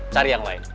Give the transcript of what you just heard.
cari yang lain